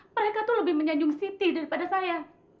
mereka tuh lebih menyanjung siti daripada saya